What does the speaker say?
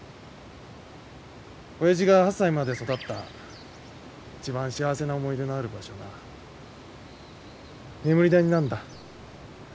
親父が８歳まで育った一番幸せな思い出のある場所が眠り谷なんだ。